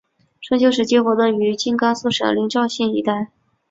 春秋时期活动于今甘肃省临洮县一带。